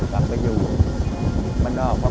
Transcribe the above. กลับไปอยู่บ้านนอกครับ